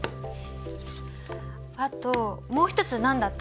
あともう一つ何だった？